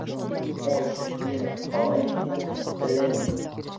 Ой, Шакира, ҡалай мин һине... теләйем.